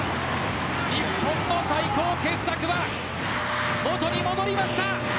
日本の最高傑作は元に戻りました。